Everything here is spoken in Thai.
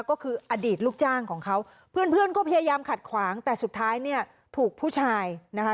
ก็คืออดีตลูกจ้างของเขาเพื่อนเพื่อนก็พยายามขัดขวางแต่สุดท้ายเนี่ยถูกผู้ชายนะคะ